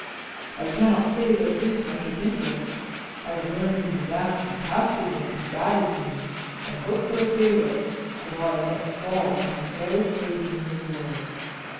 "I cannot say there is much of interest. I have learned the new dance from Caskoden, if that is news, and hope for a favor at our next ball from the fairest lady in the world."